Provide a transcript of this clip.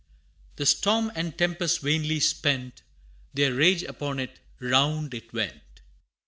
The storm and tempest vainly spent Their rage upon it round it went!